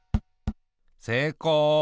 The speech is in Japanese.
せいこう。